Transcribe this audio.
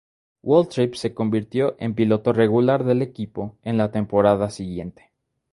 Waltrip se convirtió en piloto regular del equipo en la temporada siguiente.